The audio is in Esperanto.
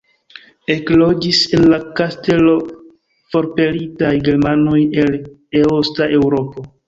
Ekloĝis en la kastelo forpelitaj germanoj el Eosta Eŭropo.